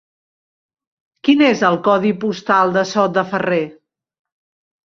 Quin és el codi postal de Sot de Ferrer?